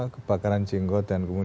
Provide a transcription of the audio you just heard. kebakaran jenggot dan kebun